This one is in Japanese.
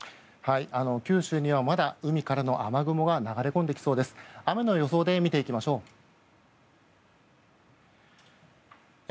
九州にはまだ海からの雨雲が流れ込んできそうです。